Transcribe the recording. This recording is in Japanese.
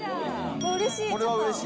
うれしい。